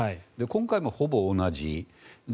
今回もほぼ同じ。